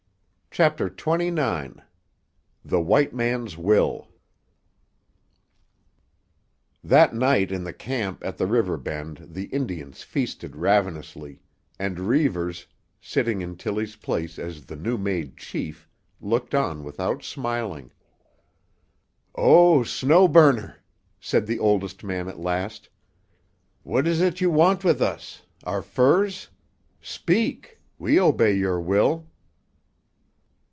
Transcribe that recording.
CHAPTER XXIX—THE WHITE MAN'S WILL That night in the camp at the river bend the Indians feasted ravenously, and Reivers, sitting in Tillie's place as new made chief, looked on without smiling. "Oh, Snow Burner!" said the oldest man at last. "What is it you want with us? Our furs? Speak. We obey your will."